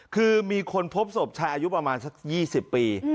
คือมีคนพบศพชายอายุประมาณสัก๒๐ปี